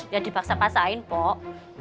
ya dibaksa pasain pok